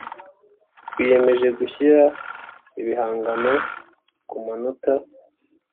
twiyemeje gushyira ibihangano ku manota